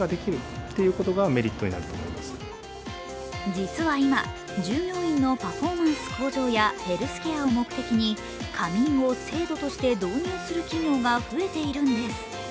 実は今、従業員のパフォーマンス向上やヘルスケアを目的に、仮眠を制度として導入する企業が増えているんです。